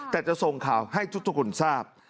แต่จะส่งข่าวให้ทุกคนทราบ